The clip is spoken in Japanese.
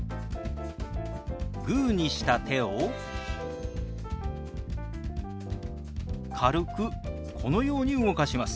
グーにした手を軽くこのように動かします。